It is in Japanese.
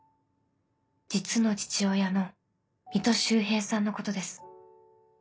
実の父親の水戸秀平さんのことです。